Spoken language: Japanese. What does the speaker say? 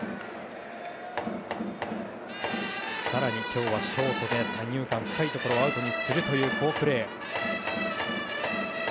更に今日はショートで三遊間深いところをアウトにする好プレー。